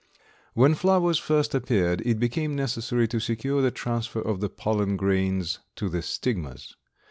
When flowers first appeared it became necessary to secure the transfer of the pollen grains to the stigmas.